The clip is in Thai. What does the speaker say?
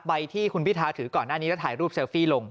ใบที่คุณพีชทาถือก่อนอันนี้จะถ่ายรูปเซลฟี่ลง